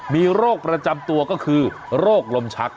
มีโรคประจำตัวก็คือโรคลมชัก